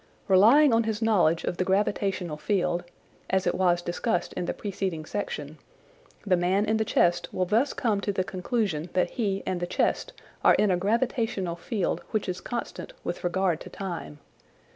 Relying on his knowledge of the gravitational field (as it was discussed in the preceding section), the man in the chest will thus come to the conclusion that he and the chest are in a gravitational field which is constant with regard to time.